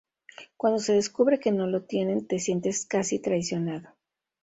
Cuando se descubre que no lo tienen, te sientes casi traicionado.